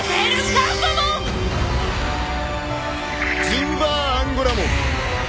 ジンバーアンゴラモン！